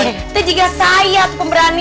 itu juga saya pemberani